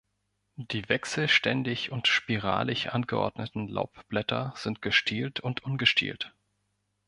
Die wechselständig und spiralig angeordneten Laubblätter sind gestielt oder ungestielt.